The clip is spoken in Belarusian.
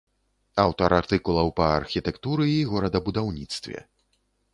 Аўтар артыкулаў па архітэктуры і горадабудаўніцтве.